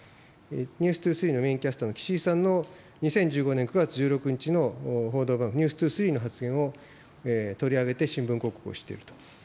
ニュース２３のメインキャスターの岸井さんの２０１５年９月１６日の報道番組、ニュース２３の発言を取り上げて、新聞広告をしていると。